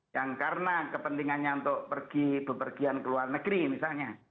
yang karena kepentingannya untuk pergi bepergian ke luar negeri misalnya